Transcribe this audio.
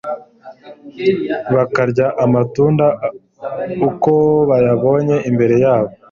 bakarya amatunda uko bayabonye imbere yabo,